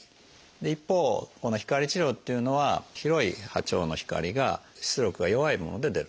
一方この光治療っていうのは広い波長の光が出力が弱いもので出るんですね。